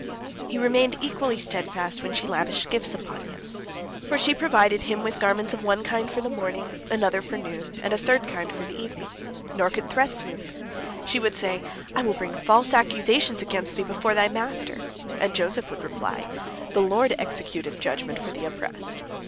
He remained equally steadfast when she lavished gifts upon him, for she provided him with garments of one kind for the morning, another for noon, and a third kind for the evening. Nor could threats move him. She would say, "I will bring false accusations against thee before thy master," and Joseph would reply, "The Lord executeth judgment for the oppressed."